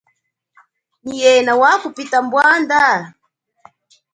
Nyi yena wakupita mbwanda?